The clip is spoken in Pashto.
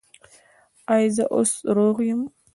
ایا زه اوس روغ یم؟